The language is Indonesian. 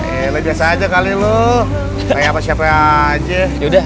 ya udah aja bang ya ya